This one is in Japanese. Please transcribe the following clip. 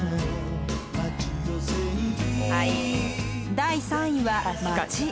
第３位は「街」